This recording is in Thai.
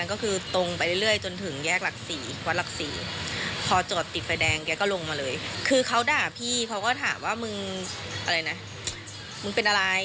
คือเขาด่าพี่เขาก็ถามว่ามึงเป็นอะไร